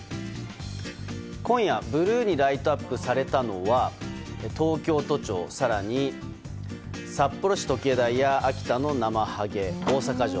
今夜、ブルーにライトアップされたのは東京都庁更には札幌市時計台や秋田のなまはげ大阪城。